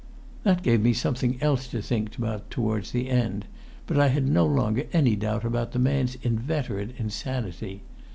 That gave me something else to think about towards the end; but I had no longer any doubt about the man's inveterate insanity.